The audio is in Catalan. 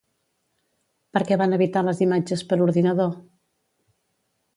Per què van evitar les imatges per ordinador?